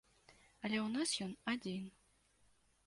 Але ў нас ён адзін.